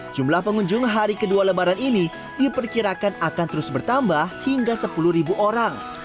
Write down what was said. jumlah pengunjung hari kedua lebaran ini diperkirakan akan terus bertambah hingga sepuluh orang